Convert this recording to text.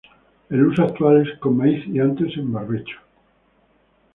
El uso actual es con maíz y antes en barbecho.